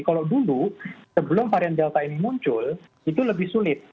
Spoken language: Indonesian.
kalau dulu sebelum varian delta ini muncul itu lebih sulit